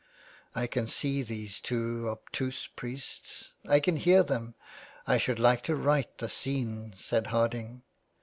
" I can see these two obtuse priests. I can hear them. I should like to write the scene," said Harding.